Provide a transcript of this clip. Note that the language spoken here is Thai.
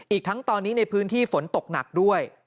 อีกทั้งตอนนี้ในพื้นที่ฝนตกหนักด้วย